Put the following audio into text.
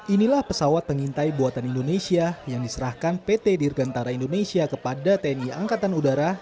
inilah pesawat pengintai buatan indonesia yang diserahkan pt dirgantara indonesia kepada tni angkatan udara